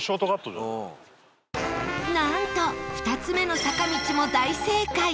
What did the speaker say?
なんと２つ目の坂道も大正解